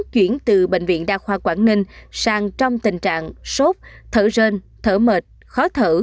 chuyển từ bệnh viện đa khoa quảng ninh sang trong tình trạng sốt thở rơn thở mệt khó thở